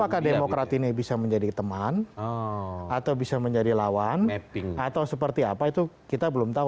apakah demokrat ini bisa menjadi teman atau bisa menjadi lawan atau seperti apa itu kita belum tahu